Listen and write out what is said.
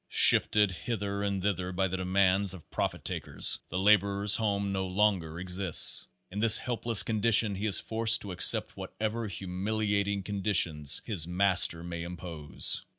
Shifted hither and thither by the demands of profit takers, the laborer's home no longer exists. In this helpless condition he is forced to accept whatever humiliating conditions his master may impose.